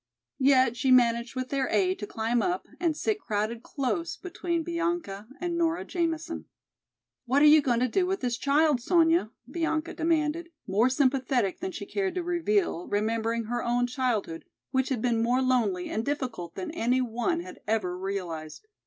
Yet she managed with their aid to climb up and sit crowded close between Bianca and Nora Jamison. "What are you going to do with this child, Sonya?" Bianca demanded, more sympathetic than she cared to reveal, remembering her own childhood, which had been more lonely and difficult than any one had ever realized.